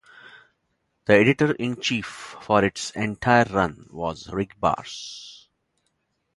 The editor-in-chief for its entire run was Rick Barrs.